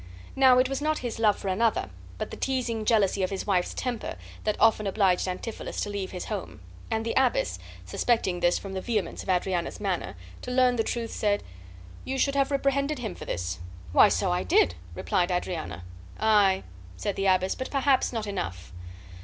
Now it was not his love for another, but the teasing jealousy of his wife's temper, that often obliged Antipholus to leave his home; and the abbess (suspecting this from the vehemence of Adriana's manner), to learn the truth, said: "You should have reprehended him for this." "Why, so I did," replied Adriana. "Aye," said the abbess, "but perhaps not enough."